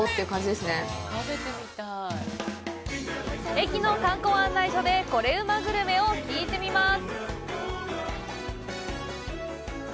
駅の観光案内所でコレうまグルメを聞いてみます！